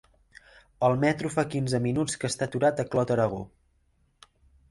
El metro fa quinze minuts que està aturat a Clot-Aragó.